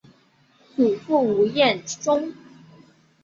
祖父吴彦忠。